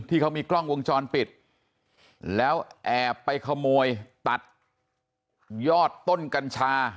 ที่เขามีกล้องวงจรปิดแล้วแอบไปขโมยตัดยอดต้นกัญชา